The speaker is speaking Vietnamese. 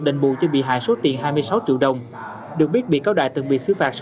đền bù cho bị hại số tiền hai mươi sáu triệu đồng được biết biệt cáo đại từng bị xử phạt